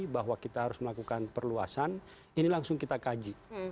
bahwa kita harus melakukan perluasan ini langsung kita kaji